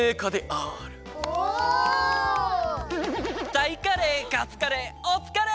タイカレーカツカレーおつかれ！